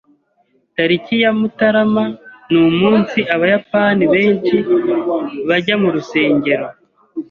Tariki ya Mutarama ni umunsi Abayapani benshi bajya mu rusengero.